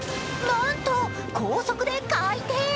なんと高速で回転。